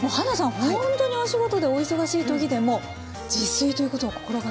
ほんとにお仕事でお忙しい時でも自炊ということを心がけてらっしゃる。